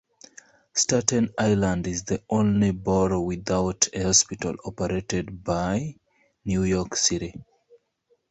Staten Island is the only borough without a hospital operated by New York City.